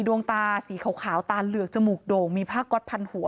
ดวงตาสีขาวตาเหลือกจมูกโด่งมีผ้าก๊อตพันหัว